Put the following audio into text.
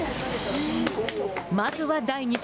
まずは第２戦。